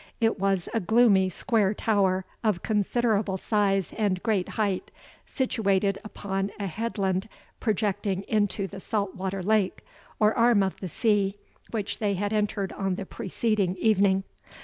It was a gloomy square tower, of considerable size and great height, situated upon a headland projecting into the salt water lake, or arm of the sea, which they had entered on the preceding evening.